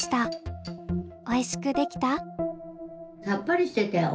おいしくできた？